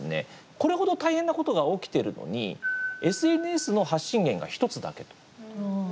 これほど大変なことが起きてるのにＳＮＳの発信源が１つだけと。